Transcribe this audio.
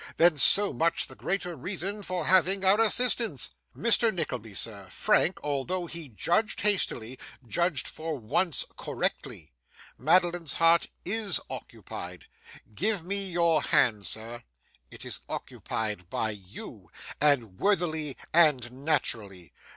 Then, so much the greater reason for having our assistance! Mr. Nickleby, sir, Frank, although he judged hastily, judged, for once, correctly. Madeline's heart IS occupied. Give me your hand, sir; it is occupied by you, and worthily and naturally.